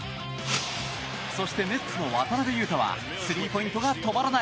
そして、ネッツの渡邊雄太はスリーポイントが止まらない。